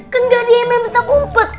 kan gak diem yang main petak kumpet